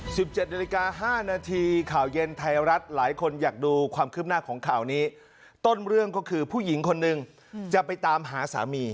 สิบเจ็ดนาฬิกาห้านาทีข่าวเย็นไทยรัฐหลายคนอยากดูความคืบหน้าของข่าวนี้ต้นเรื่องก็คือผู้หญิงคนหนึ่งจะไปตามหาสามี